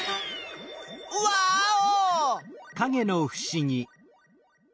ワーオ！